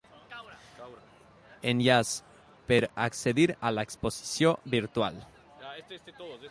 Enllaç per accedir a l'exposició virtual.